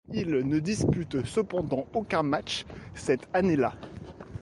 Il ne dispute cependant aucun match cette année là.